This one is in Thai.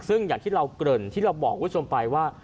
ซึ่งอย่างที่เราเกริ่นที่เราบอกคุณผู้ชมไปว่า